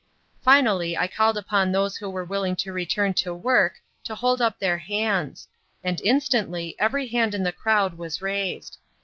Finally I called upon those who were willing to return to work to hold up their hands, and instantly every hand in the crowd was raised.